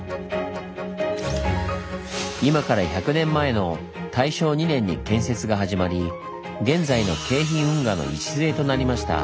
今から１００年前の大正２年に建設が始まり現在の京浜運河の礎となりました。